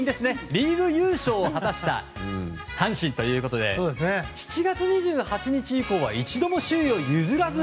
リーグ優勝を果たした阪神ということで７月２８日以降は一度も首位を譲らず。